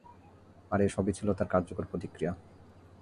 আর এ সবই ছিল তার কার্যকর প্রতিক্রিয়া।